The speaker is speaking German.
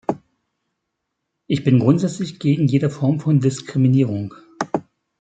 Ich bin grundsätzlich gegen jede Form von Diskriminierung.